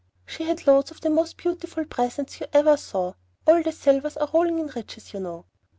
She had loads of the most beautiful presents you ever saw. All the Silvers are rolling in riches, you know.